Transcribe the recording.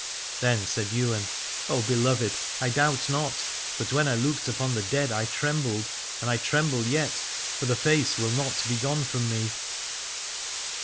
Then said Ywain : O beloved, I doubt not : but when I looked upon the dead I trembled, and I tremble yet, for the face will not be gone from me.